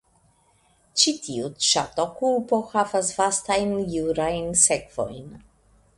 Ĉi tiu ŝatokupo havas vastajn jurajn sekvojn.